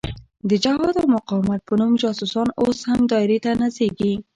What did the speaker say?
د جهاد او مقاومت په نوم جاسوسان اوس هم دایرې ته نڅېږي.